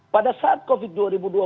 pada saat covid dua ribu dua puluh